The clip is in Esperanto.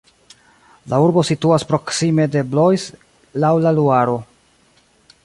La urbo situas proksime de Blois laŭ la Luaro.